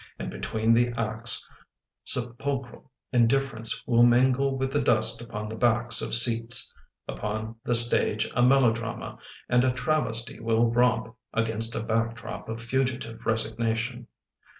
And between the acts Sepulchral indifference will mingle With the dust upon the backs of seats. Upon the stage a melodrama And a travesty will romp Against a back drop of fugitive resignation.